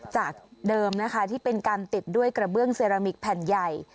จากเดิมนะคะที่เป็นการติดด้วยกระเบื้องเซรามิกแผ่นใหญ่